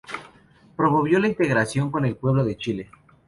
Promovió la integración con el pueblo de Chile.